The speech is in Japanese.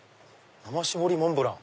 「生絞りモンブラン」。